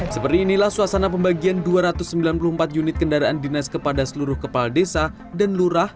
seperti inilah suasana pembagian dua ratus sembilan puluh empat unit kendaraan dinas kepada seluruh kepala desa dan lurah